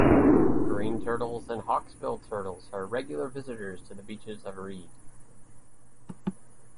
Green turtles and hawksbill turtles are regular visitors to the beaches of Aride.